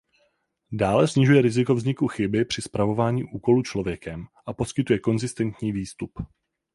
Dále snižuje riziko vzniku chyby při spravování úkolů člověkem a poskytuje konzistentní výstup.